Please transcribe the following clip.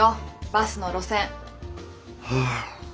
バスの路線。